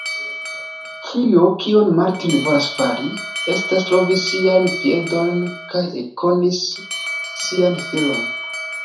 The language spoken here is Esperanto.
Ĉio, kion Martin volas fari, estas trovi siajn piedojn kaj ekkoni sian filon.